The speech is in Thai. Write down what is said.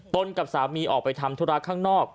กับสามีออกไปทำธุระข้างนอก